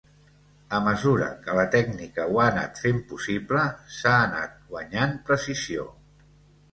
A mesura que la tècnica ho ha anat fent possible, s'ha anat guanyant precisió.